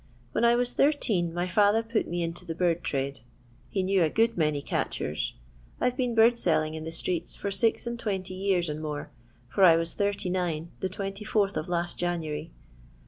When I was thirteen my father put me into the bird trade. He knew a good many catchers. I 've been bird selling in the streeU for six and twenty years and more, for I was 39 the 24th of last January.